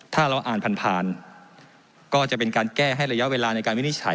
ถ้าเราอ่านผ่านผ่านก็จะเป็นการแก้ให้ระยะเวลาในการวินิจฉัย